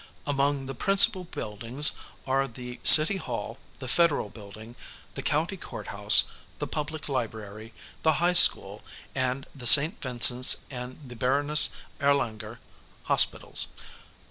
Among the principal buildings are the city hall, the Federal building, the county court house, the public library, the high school and the St Vincent's and the Baroness Erlanger hospitals.